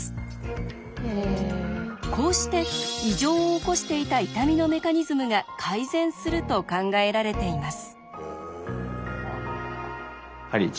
こうして異常を起こしていた痛みのメカニズムが改善すると考えられています。